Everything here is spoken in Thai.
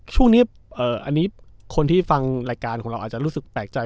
ช่วงนี้อันนี้คนที่ฟังรายการของเราอาจจะรู้สึกแปลกใจ